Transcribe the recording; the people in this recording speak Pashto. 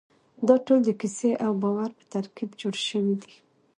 دا ټول د کیسې او باور په ترکیب جوړ شوي دي.